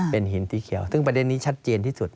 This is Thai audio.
เป็นหินสีเขียวซึ่งประเด็นนี้ชัดเจนที่สุด